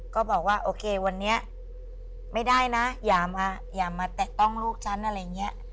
ก็บอกว่าโอเควันนี้ไม่ได้นะอย่ามาแตะต้องลูกฉันอะไรอย่างนี้